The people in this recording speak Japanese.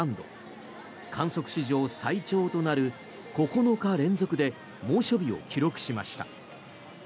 観測史上最長となる９日連続で猛暑日を記録しました。